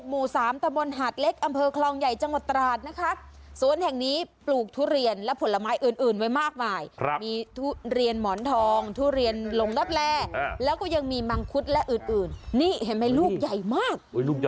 มอนทองทุเรียนลงลับแลแล้วก็ยังมีมังคุดและอื่นนี่เห็นไหมลูกใหญ่มาก